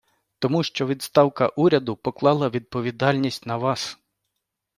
Тому що відставка Уряду поклала відповідальність на Вас.